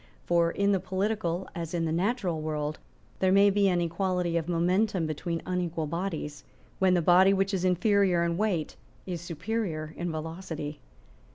For in the political, as in the natural world, there may be an equality of momentum between unequal bodies, when the body which is inferior in weight is superior in velocity.